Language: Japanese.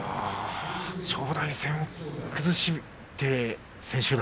正代戦を崩して千秋楽。